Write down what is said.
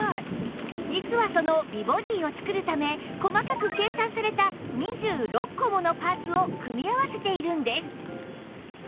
実はその美ボディーを作るため細かく計算された２６個ものパーツを組み合わせているんです